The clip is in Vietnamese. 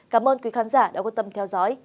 cảm ơn quý khán giả đã quan tâm theo dõi